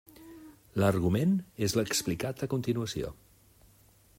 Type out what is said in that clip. L'argument és l'explicat a continuació.